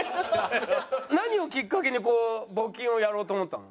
何をきっかけにこう募金をやろうと思ったの？